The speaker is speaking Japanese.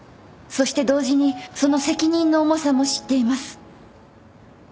そして同時にその責任の重さも知っています。